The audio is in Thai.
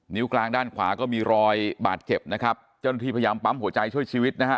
กลางด้านขวาก็มีรอยบาดเจ็บนะครับเจ้าหน้าที่พยายามปั๊มหัวใจช่วยชีวิตนะฮะ